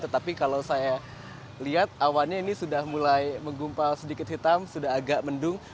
tetapi kalau saya lihat awannya ini sudah mulai menggumpal sedikit hitam sudah agak mendung